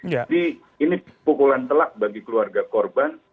jadi ini pukulan telak bagi keluarga korban